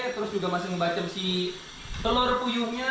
terus juga masih ngebacam si telur puyuhnya